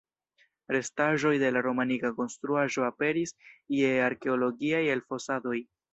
Restaĵoj de la romanika konstruaĵo aperis je arkeologiaj elfosadoj.